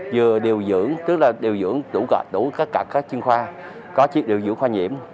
vừa điều dưỡng tức là điều dưỡng đủ các truyền khoa có điều dưỡng khoa nhiễm